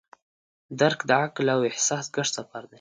درک د عقل او احساس ګډ سفر دی.